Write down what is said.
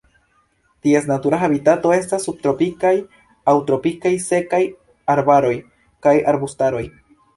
Ties natura habitato estas subtropikaj aŭ tropikaj sekaj arbaroj kaj arbustaroj.